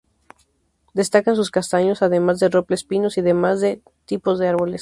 Destacan sus castaños, además de robles pinos y demás tipos De árboles.